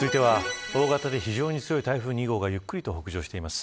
続いては、大型で非常に強い台風２号がゆっくり北上しています。